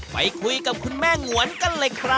ไปคุยกับคุณแม่งวนกันเลยครับ